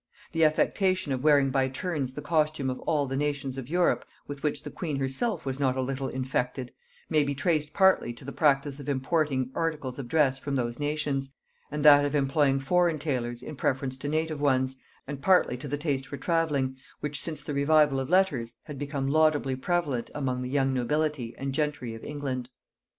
The affectation of wearing by turns the costume of all the nations of Europe, with which the queen herself was not a little infected, may be traced partly to the practice of importing articles of dress from those nations, and that of employing foreign tailors in preference to native ones, and partly to the taste for travelling, which since the revival of letters had become laudably prevalent among the young nobility and gentry of England.